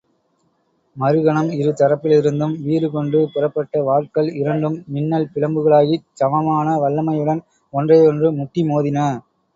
மறுகணம்– இரு தரப்பிலிருந்தும் வீறுகொண்டு புறப்பட்ட வாட்கள் இரண்டும் மின்னல் பிழம்புகளாகிச் சமமான வல்லமையுடன் ஒன்றையொன்று முட்டி மோதின!